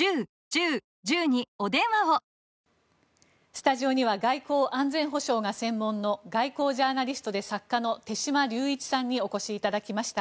スタジオには外交・安全保障が専門の外交ジャーナリストで作家の手嶋龍一さんにお越しいただきました。